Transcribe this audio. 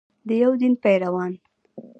د یو دین پیروان.